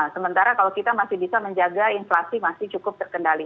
sementara kalau kita masih bisa menjaga inflasi masih cukup terkendali